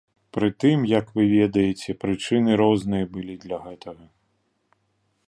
Прытым, як вы ведаеце, прычыны розныя былі для гэтага.